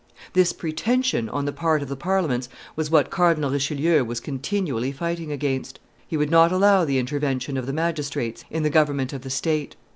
This pretension on the part of the parliaments was what Cardinal Richelieu was continually fighting against. He would not allow the intervention of the magistrates in the government of the state.